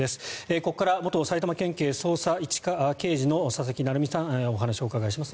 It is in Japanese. ここから元埼玉県警捜査１課刑事の佐々木成三さんにお話をお伺いします。